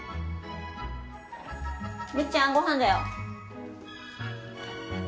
むっちゃんごはんだよ。